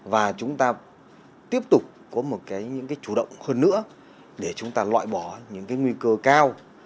và chúng ta tiếp tục có một chủ động hơn nữa để chúng ta loại bỏ những nguy cơ cao